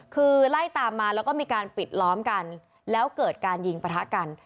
คือไล่ตามมาแล้วก็มีการปิดล้อมกันแล้วเกิดการยิงประทะกัน